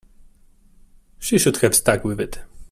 She should have stuck with it.